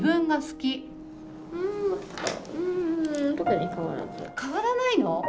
うん変わらないの？